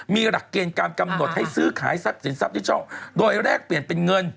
มีหลักเกณฑ์การกำหนดให้ซื้อขายสินทรัพย์ด้วยแรกเปลี่ยนเป็นเงิน